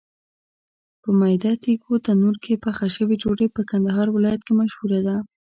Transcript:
په میده تېږو تنور کې پخه شوې ډوډۍ په کندهار ولایت کې مشهوره ده.